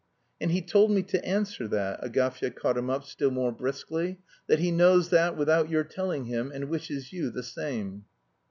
"And he told me to answer that," Agafya caught him up still more briskly, "that he knows that without your telling him, and wishes you the same."